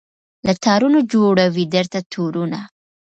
له تارونو جوړوي درته تورونه